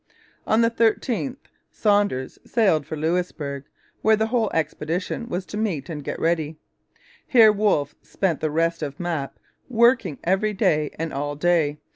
On the 13th Saunders sailed for Louisbourg, where the whole expedition was to meet and get ready. Here Wolfe spent the rest of Map, working every day and all day.